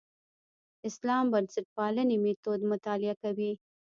اسلام بنسټپالنې میتود مطالعه کوي.